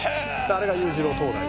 あれが裕次郎灯台。